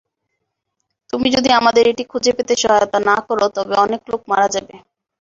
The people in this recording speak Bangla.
তুমি যদি আমাদের এটি খুঁজে পেতে সহায়তা না কর তবে অনেক লোক মারা যাবে।